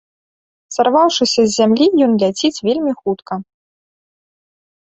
Сарваўшыся з зямлі, ён ляціць вельмі хутка.